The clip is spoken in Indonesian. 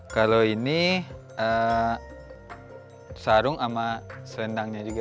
kalau ini sarung sama selendangnya juga